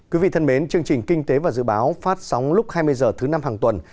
quý vị thân mến chương trình kinh tế và dự báo phát sóng lúc hai mươi h thứ năm hàng tuần